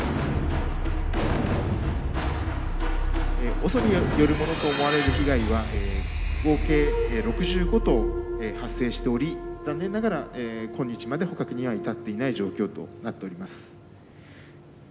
ＯＳＯによるものと思われる被害は合計６５頭発生しており残念ながら今日まで捕獲には至っていない状況となっております。